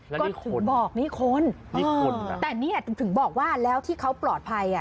แล้วนี่คนนี่คนแต่นี่แหละถึงบอกว่าแล้วที่เค้าปลอดภัยอ่ะ